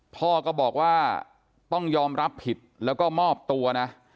พ่อก็บอกว่าต้องยอมรับผิดแล้วก็มอบตัวนะ